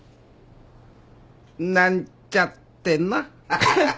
なんちゃってなアハハ。